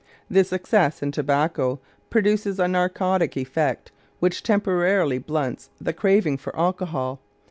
This excess in tobacco produces a narcotic effect which temporarily blunts the craving for alcohol.